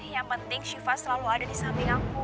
yang penting syifa selalu ada di samping aku